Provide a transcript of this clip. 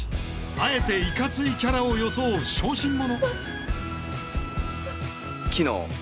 あえていかついキャラを装う小心者。